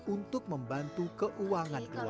untuk membantu keuangan keluarga